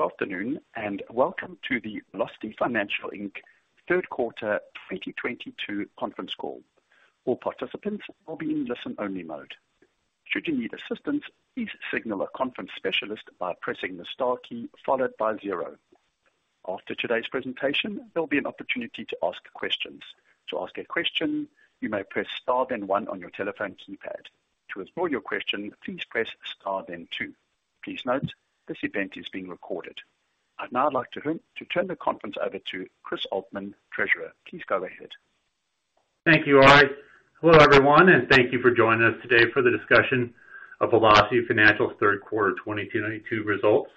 Good afternoon, and welcome to the Velocity Financial, Inc. third quarter 2022 conference call. All participants will be in listen-only mode. Should you need assistance, please signal a conference specialist by pressing the star key followed by zero. After today's presentation, there'll be an opportunity to ask questions. To ask a question, you may press Star then one on your telephone keypad. To withdraw your question, please press Star then two. Please note, this event is being recorded. I'd now like to turn the conference over to Chris Oltmann, Treasurer. Please go ahead. Thank you, Ari. Hello, everyone, and thank you for joining us today for the discussion of Velocity Financial's third quarter 2022 results.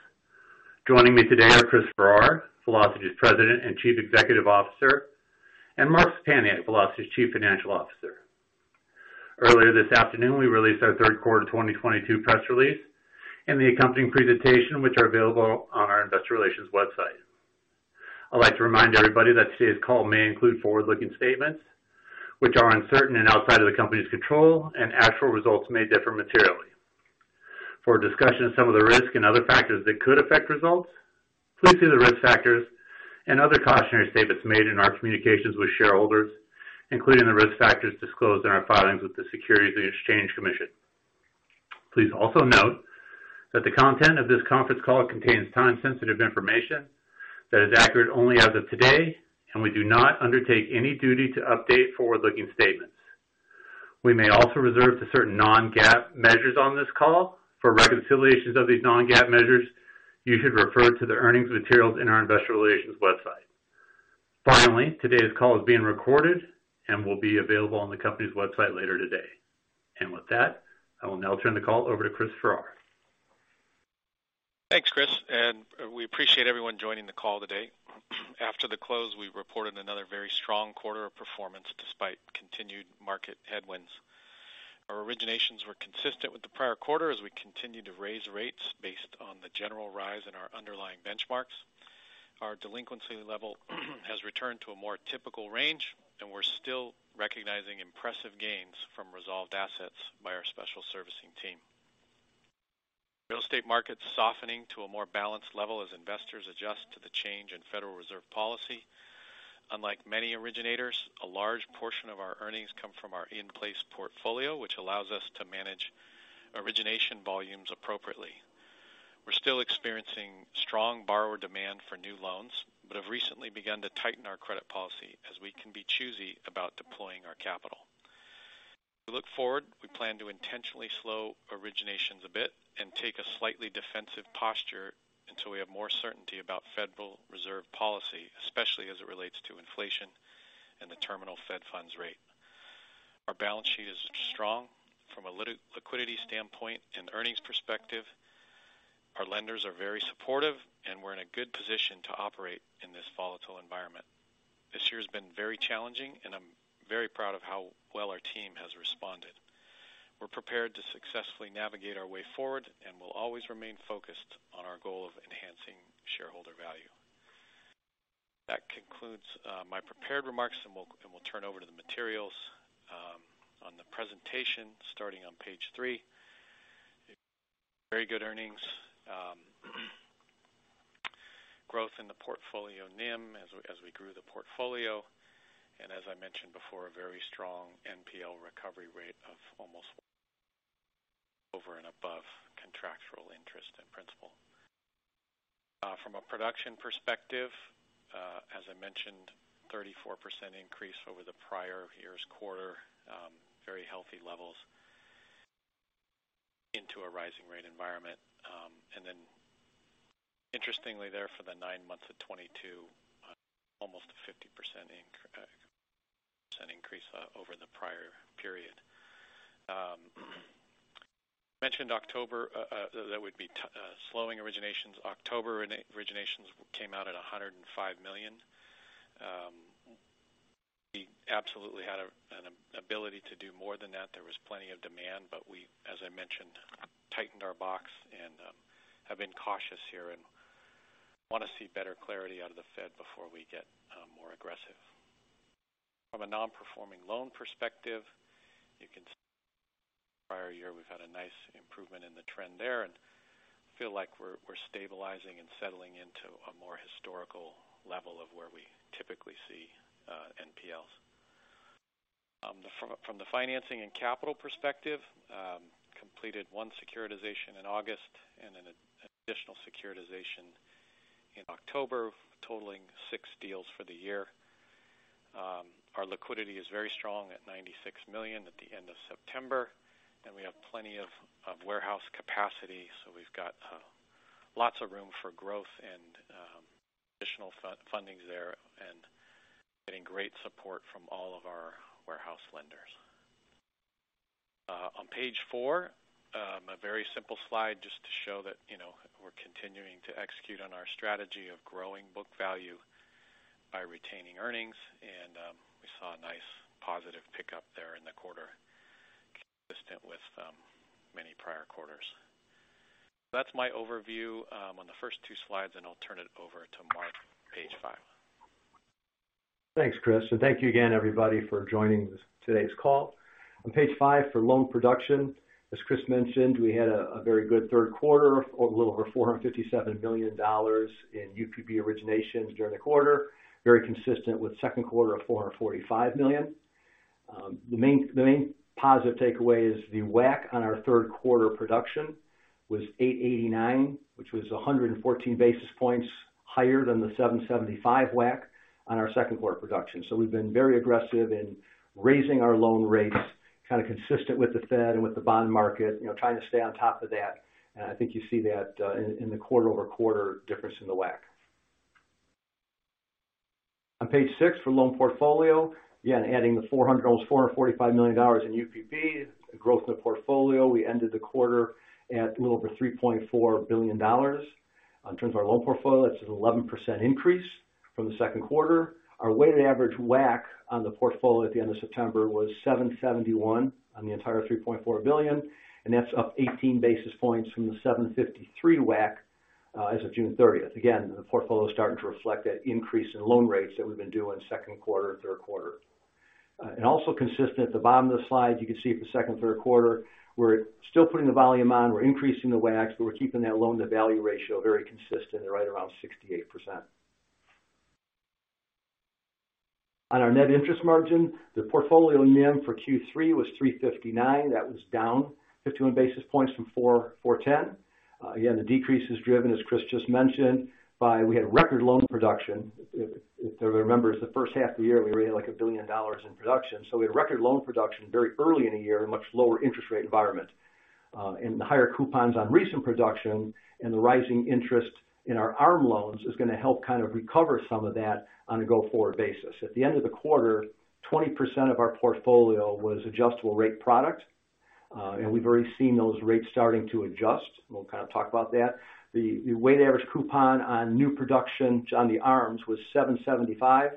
Joining me today are Chris Farrar, Velocity's President and Chief Executive Officer, and Mark Szczepaniak, Velocity's Chief Financial Officer. Earlier this afternoon, we released our third quarter 2022 press release and the accompanying presentation, which are available on our investor relations website. I'd like to remind everybody that today's call may include forward-looking statements which are uncertain and outside of the company's control, and actual results may differ materially. For a discussion of some of the risks and other factors that could affect results, please see the risk factors and other cautionary statements made in our communications with shareholders, including the risk factors disclosed in our filings with the Securities and Exchange Commission. Please also note that the content of this conference call contains time-sensitive information that is accurate only as of today, and we do not undertake any duty to update forward-looking statements. We may also refer to certain non-GAAP measures on this call. For reconciliations of these non-GAAP measures, you should refer to the earnings materials on our investor relations website. Finally, today's call is being recorded and will be available on the company's website later today. With that, I will now turn the call over to Chris Farrar. Thanks, Chris, and we appreciate everyone joining the call today. After the close, we reported another very strong quarter of performance despite continued market headwinds. Our originations were consistent with the prior quarter as we continued to raise rates based on the general rise in our underlying benchmarks. Our delinquency level has returned to a more typical range, and we're still recognizing impressive gains from resolved assets by our special servicing team. Real estate market's softening to a more balanced level as investors adjust to the change in Federal Reserve policy. Unlike many originators, a large portion of our earnings come from our in-place portfolio, which allows us to manage origination volumes appropriately. We're still experiencing strong borrower demand for new loans, but have recently begun to tighten our credit policy as we can be choosy about deploying our capital. We look forward. We plan to intentionally slow originations a bit and take a slightly defensive posture until we have more certainty about Federal Reserve policy, especially as it relates to inflation and the terminal Fed funds rate. Our balance sheet is strong from a liquidity standpoint and earnings perspective. Our lenders are very supportive, and we're in a good position to operate in this volatile environment. This year has been very challenging, and I'm very proud of how well our team has responded. We're prepared to successfully navigate our way forward, and we'll always remain focused on our goal of enhancing shareholder value. That concludes my prepared remarks, and we'll turn over to the materials on the presentation starting on page three. Very good earnings growth in the portfolio NIM as we grew the portfolio. As I mentioned before, a very strong NPL recovery rate of almost over and above contractual interest and principal. From a production perspective, as I mentioned, 34% increase over the prior year's quarter. Very healthy levels into a rising rate environment. Interestingly there for the nine months of 2022, almost a 50% increase over the prior period. Mentioned October, that would be slowing originations. October originations came out at $105 million. We absolutely had an ability to do more than that. There was plenty of demand, but we, as I mentioned, tightened our box and have been cautious here and want to see better clarity out of the Fed before we get more aggressive. From a non-performing loan perspective, you can see prior year we've had a nice improvement in the trend there, and feel like we're stabilizing and settling into a more historical level of where we typically see NPLs. From the financing and capital perspective, completed one securitization in August and an additional securitization in October, totaling six deals for the year. Our liquidity is very strong at $96 million at the end of September, and we have plenty of warehouse capacity, so we've got lots of room for growth and additional funding there and getting great support from all of our warehouse lenders. On page four, a very simple slide just to show that, you know, we're continuing to execute on our strategy of growing book value by retaining earnings. We saw a nice positive pickup there in the quarter consistent with many prior quarters. That's my overview on the first two slides, and I'll turn it over to Mark, page five. Thanks, Chris. Thank you again everybody for joining today's call. On page five for loan production, as Chris mentioned, we had a very good third quarter of a little over $457 million in UPB originations during the quarter. Very consistent with second quarter of $445 million. The main positive takeaway is the WAC on our third quarter production was 8.89, which was 114 basis points higher than the 7.75 WAC on our second quarter production. We've been very aggressive in raising our loan rates, kind of consistent with the Fed and with the bond market, you know, trying to stay on top of that. I think you see that in the quarter-over-quarter difference in the WAC. On page six for loan portfolio. Again, adding almost $445 million in UPB. The growth in the portfolio, we ended the quarter at a little over $3.4 billion. In terms of our loan portfolio, that's an 11% increase from the second quarter. Our weighted average WAC on the portfolio at the end of September was 7.71 on the entire $3.4 billion, and that's up 18 basis points from the 7.53 WAC as of June 30. Again, the portfolio's starting to reflect that increase in loan rates that we've been doing second quarter, third quarter. And also consistent at the bottom of the slide, you can see for second and third quarter, we're still putting the volume on. We're increasing the WAC, but we're keeping that loan to value ratio very consistent at right around 68%. On our net interest margin, the portfolio NIM for Q3 was 359. That was down 51 basis points from 410. Again, the decrease is driven, as Chris just mentioned, by we had record loan production. If everybody remembers, the first half of the year we raised, like, $1 billion in production. We had record loan production very early in the year in a much lower interest rate environment. The higher coupons on recent production and the rising interest in our ARM loans is gonna help kind of recover some of that on a go-forward basis. At the end of the quarter, 20% of our portfolio was adjustable rate product, and we've already seen those rates starting to adjust, and we'll kind of talk about that. The weighted average coupon on new production on the ARMs was 7.75,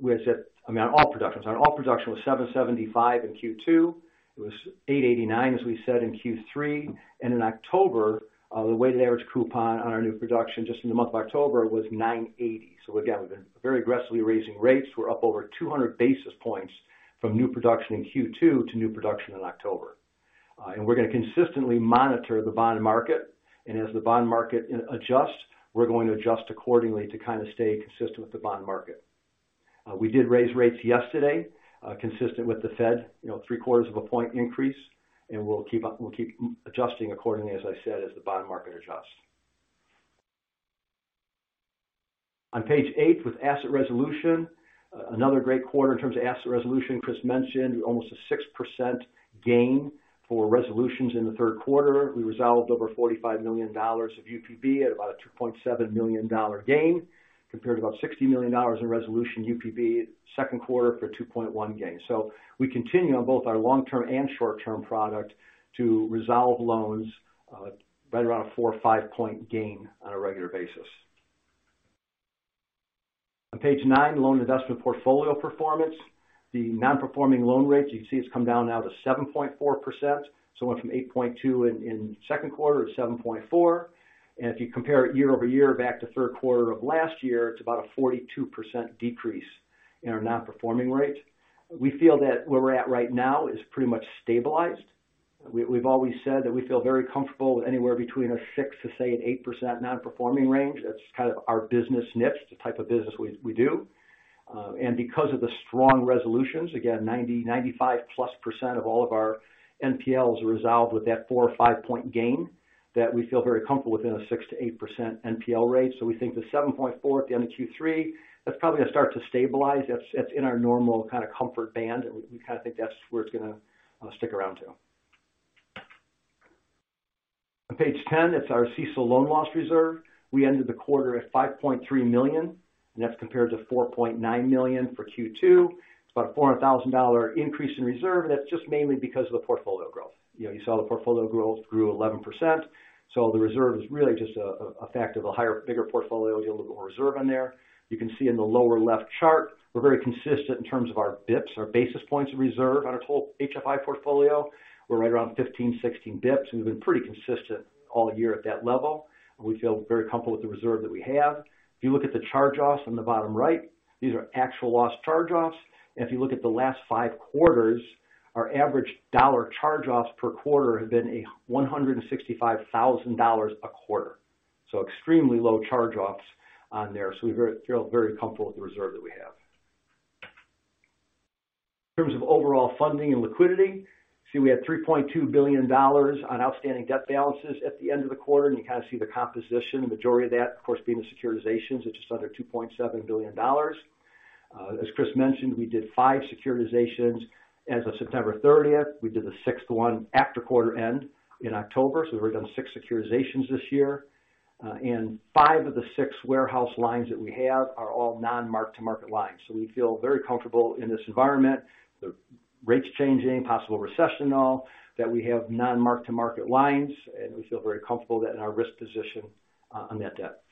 which on all production was 7.75 in Q2. It was 8.89, as we said, in Q3. In October, the weighted average coupon on our new production just in the month of October was 9.80. Again, we've been very aggressively raising rates. We're up over 200 basis points from new production in Q2 to new production in October. We're gonna consistently monitor the bond market, and as the bond market adjusts, we're going to adjust accordingly to kind of stay consistent with the bond market. We did raise rates yesterday, consistent with the Fed, three-quarters of a point increase, and we'll keep adjusting accordingly, as I said, as the bond market adjusts. On page eight with asset resolution. Another great quarter in terms of asset resolution. Chris mentioned almost a 6% gain for resolutions in the third quarter. We resolved over $45 million of UPB at about a $2.7 million dollar gain, compared to about $60 million in resolution UPB second quarter for a 2.1 gain. We continue on both our long-term and short-term product to resolve loans, right around a 4- or 5-point gain on a regular basis. On page nine, loan investment portfolio performance. The non-performing loan rates, you can see it's come down now to 7.4%. It went from 8.2 in second quarter to 7.4. If you compare it year-over-year back to third quarter of last year, it's about a 42% decrease in our non-performing rate. We feel that where we're at right now is pretty much stabilized. We've always said that we feel very comfortable with anywhere between 6%-8% non-performing range. That's kind of our business niche, the type of business we do. Because of the strong resolutions, again, 95%+ of all of our NPLs are resolved with that 4- or 5-point gain, we feel very comfortable within a 6%-8% NPL rate. We think the 7.4% at the end of Q3, that's probably gonna start to stabilize. That's in our normal kind of comfort band, and we kind of think that's where it's gonna stick around to. On page ten, that's our CECL loan loss reserve. We ended the quarter at $5.3 million, and that's compared to $4.9 million for Q2. It's about a $400,000 increase in reserve, and that's just mainly because of the portfolio growth. You know, you saw the portfolio growth grew 11%, so the reserve is really just a effect of a higher, bigger portfolio. You have a little bit more reserve on there. You can see in the lower left chart, we're very consistent in terms of our BIPS, our basis points of reserve on our total HFI portfolio. We're right around 15, 16 BIPS, and we've been pretty consistent all year at that level. We feel very comfortable with the reserve that we have. If you look at the charge-offs on the bottom right, these are actual loss charge-offs. If you look at the last 5 quarters, our average dollar charge-offs per quarter have been $165,000 a quarter. Extremely low charge-offs on there. We feel very comfortable with the reserve that we have. In terms of overall funding and liquidity, we had $3.2 billion on outstanding debt balances at the end of the quarter, and you kind of see the composition. The majority of that, of course, being the securitizations at just under $2.7 billion. As Chris mentioned, we did 5 securitizations as of September 30th. We did the 6th one after quarter end in October, so we've already done 6 securitizations this year. 5 of the 6 warehouse lines that we have are all non-mark-to-market lines. We feel very comfortable in this environment, the rates changing, possible recession and all, that we have non-mark-to-market lines, and we feel very comfortable that in our risk position on that debt.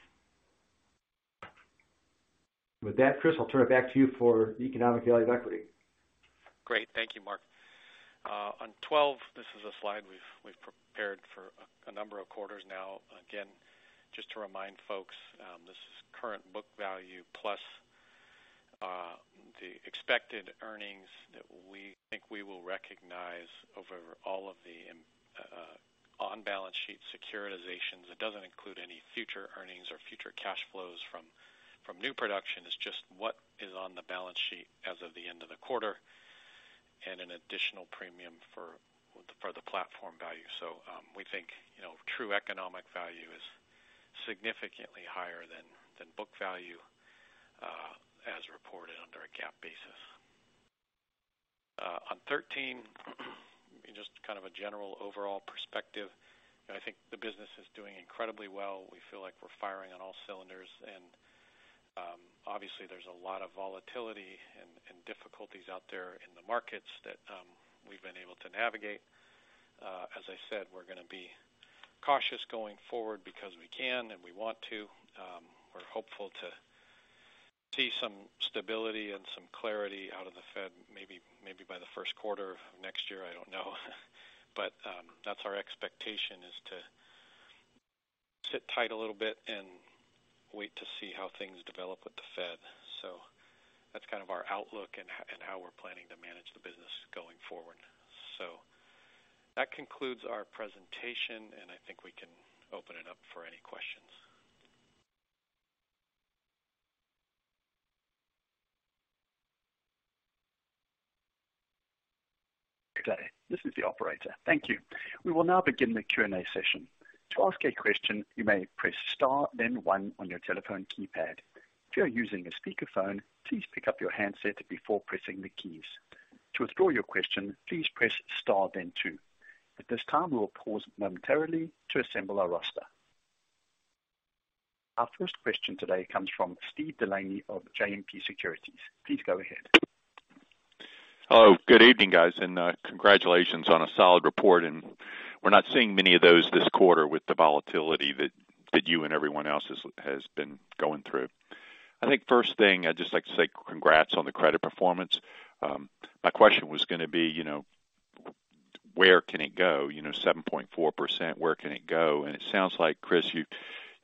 With that, Chris, I'll turn it back to you for the economic value of equity. Great. Thank you, Mark. On 12, this is a slide we've prepared for a number of quarters now. Again, just to remind folks, this is current book value plus the expected earnings that we think we will recognize over all of the on-balance sheet securitizations. It doesn't include any future earnings or future cash flows from new production. It's just what is on the balance sheet as of the end of the quarter, and an additional premium for the platform value. We think, you know, true economic value is significantly higher than book value as reported under a GAAP basis. On 13, just kind of a general overall perspective, and I think the business is doing incredibly well. We feel like we're firing on all cylinders. Obviously there's a lot of volatility and difficulties out there in the markets that we've been able to navigate. As I said, we're gonna be cautious going forward because we can and we want to. We're hopeful to see some stability and some clarity out of the Fed, maybe by the first quarter of next year. I don't know. That's our expectation, is to sit tight a little bit and wait to see how things develop with the Fed. That's kind of our outlook and how we're planning to manage the business going forward. That concludes our presentation, and I think we can open it up for any questions. Good day. This is the operator. Thank you. We will now begin the Q&A session. To ask a question, you may press star then one on your telephone keypad. If you are using a speakerphone, please pick up your handset before pressing the keys. To withdraw your question, please press star then two. At this time, we will pause momentarily to assemble our roster. Our first question today comes from Steve Delaney of JMP Securities. Please go ahead. Hello. Good evening, guys, and congratulations on a solid report. We're not seeing many of those this quarter with the volatility that you and everyone else has been going through. I think first thing, I'd just like to say congrats on the credit performance. My question was gonna be, you know, where can it go? You know, 7.4%, where can it go? It sounds like, Chris,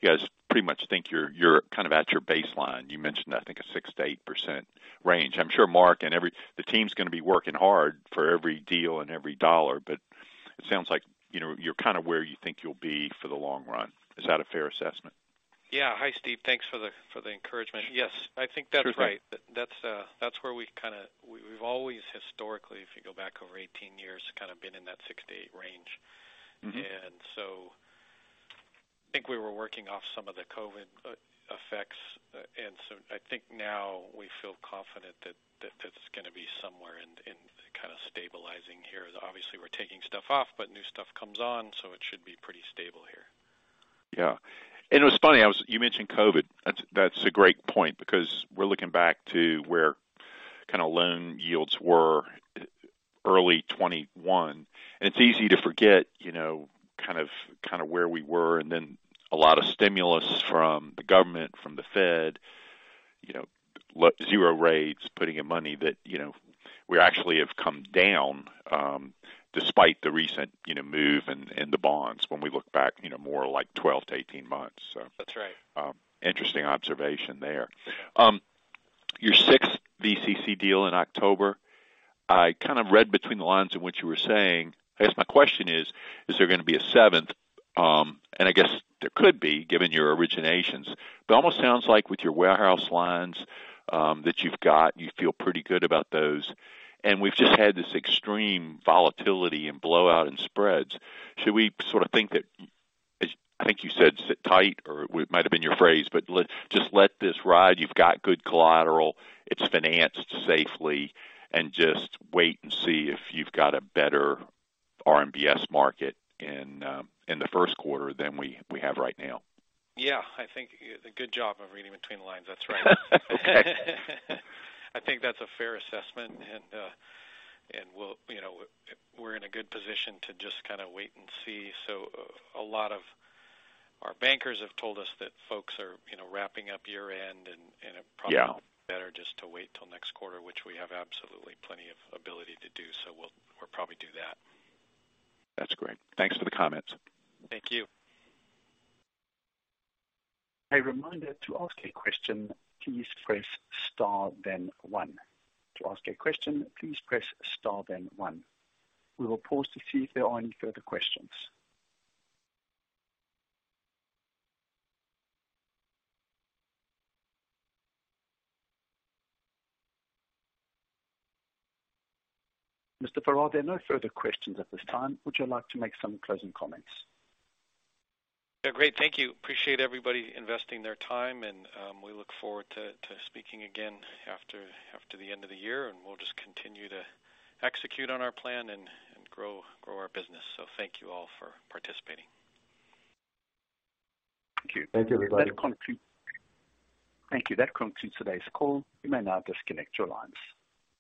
you guys pretty much think you're kind of at your baseline. You mentioned, I think, a 6%-8% range. I'm sure Mark and the team's gonna be working hard for every deal and every dollar, but it sounds like, you know, you're kind of where you think you'll be for the long run. Is that a fair assessment? Yeah. Hi, Steve. Thanks for the encouragement. Yes. I think that's right. Sure thing. That's where we've always historically, if you go back over 18 years, kind of been in that 6-8 range. Mm-hmm. I think we were working off some of the COVID effects, and so I think now we feel confident that it's gonna be somewhere in kind of stabilizing here. Obviously, we're taking stuff off, but new stuff comes on, so it should be pretty stable here. Yeah. It was funny, you mentioned COVID. That's a great point because we're looking back to where kind of loan yields were early 2021. It's easy to forget, you know, kind of where we were and then a lot of stimulus from the government, from the Fed, you know, zero rates, putting in money that, you know, we actually have come down, despite the recent, you know, move in the bonds when we look back, you know, more like 12-18 months, so. That's right. Interesting observation there. Yeah. Your sixth VCC deal in October, I kind of read between the lines in what you were saying. I guess my question is there gonna be a seventh? I guess there could be, given your originations. It almost sounds like with your warehouse lines, that you've got, you feel pretty good about those. We've just had this extreme volatility and blowout in spreads. Should we sort of think that, as I think you said, sit tight, or it might have been your phrase, but just let this ride. You've got good collateral. It's financed safely, and just wait and see if you've got a better RMBS market in the first quarter than we have right now. Yeah. I think a good job of reading between the lines. That's right. Okay. I think that's a fair assessment. We'll, you know, we're in a good position to just kind of wait and see. A lot of our bankers have told us that folks are, you know, wrapping up year-end, and it probably. Yeah. Would be better just to wait till next quarter, which we have absolutely plenty of ability to do. We'll probably do that. That's great. Thanks for the comments. Thank you. A reminder to ask a question, please press star then one. To ask a question, please press star then one. We will pause to see if there are any further questions. Mr. Farrar, there are no further questions at this time. Would you like to make some closing comments? Yeah, great. Thank you. Appreciate everybody investing their time, and we look forward to speaking again after the end of the year. We'll just continue to execute on our plan and grow our business. Thank you all for participating. Thank you. Thank you, everybody. That concludes. Thank you. That concludes today's call. You may now disconnect your lines.